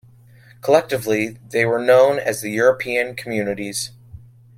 Collectively they were known as the "European Communities".